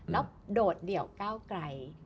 แล้วโดดเดี่ยวก้าวไกล